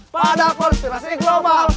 pada konspirasi global